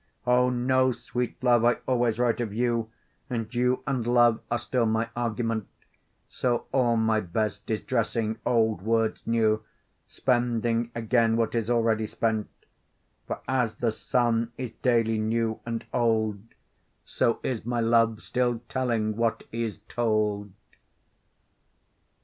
O! know sweet love I always write of you, And you and love are still my argument; So all my best is dressing old words new, Spending again what is already spent: For as the sun is daily new and old, So is my love still telling what is told.